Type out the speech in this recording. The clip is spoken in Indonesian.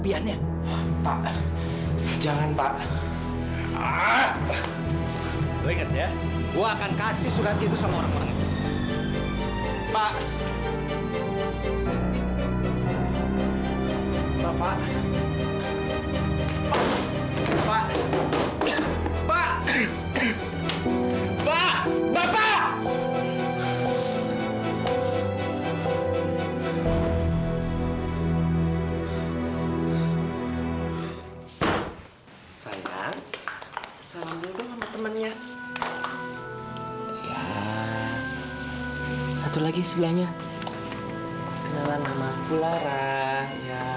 sampai jumpa di video selanjutnya